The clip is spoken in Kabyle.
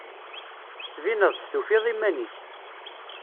Tettbineḍ-d tufiḍ iman-ik.